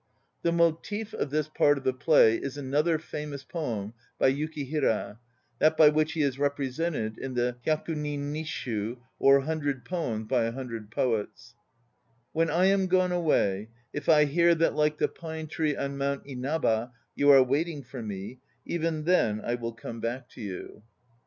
The "motif of this part of the play is another famous poem by Yukihira, that by which he is represented in the Hyakuninisshu or "Hundred Poems by a Hundred Poets": "When I am gone away, If 1 hear that like the pine tree on Mount Inaba You are waiting for me, Even then I will come back to you."